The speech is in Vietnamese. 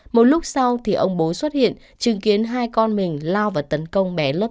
một lúc sau thì ông bố xuất hiện chứng kiến hai con mình lao và tấn công bé lớp